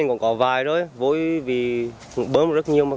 nhưng cái hiện tượng này vẫn chưa tìm ra được chính xác